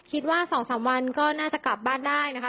คิดว่า๒๓วันก็น่าจะกลับบ้านได้นะคะ